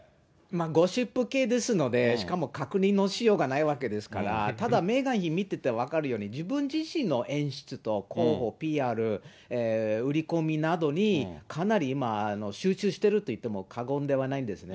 ゴシップ系ですので、しかも確認のしようがないわけですから、ただメーガン妃、見てて分かるように、自分自身の演出と、広報、ＰＲ、売り込みなどに、かなり今、集中してるといっても過言ではないんですね。